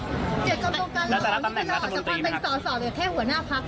จะรับตำแหน่งรัฐบนตรีไหมครับ